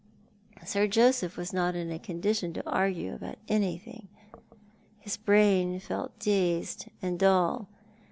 Sir Joseph was not in a condition to argue about anything. His brain felt dazed and dull.